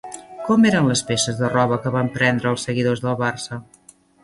Com eren les peces de roba que van prendre als seguidors del Barça?